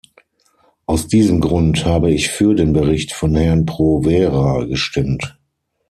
Aus diesem Grund habe ich für den Bericht von Herrn Provera gestimmt.